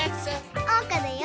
おうかだよ！